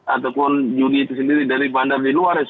ataupun judi itu sendiri dari bandar di luar ya susah